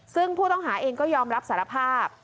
ซึ่งผู้ต้องหาเองก็ยอมรับสารภาพ